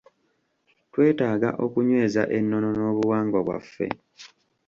Twetaaga okunyweza ennono n'obuwangwa bwaffe.